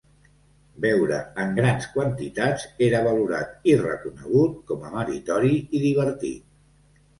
Beure en grans quantitats era valorat i reconegut com a meritori i divertit.